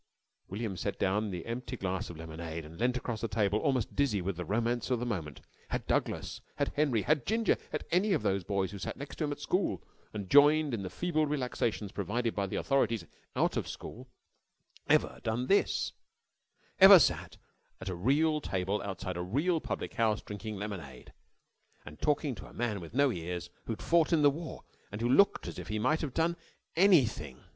William set down the empty glass of lemonade and leant across the table, almost dizzy with the romance of the moment. Had Douglas, had Henry, had Ginger, had any of those boys who sat next him at school and joined in the feeble relaxations provided by the authorities out of school, ever done this ever sat at a real table outside a real public house drinking lemonade and talking to a man with no ears who'd fought in the war and who looked as if he might have done anything?